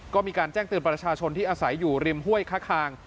ก็มีการแจ้งเตือนประชาชนที่อาศัยอยู่ริมห้วยค้าคาง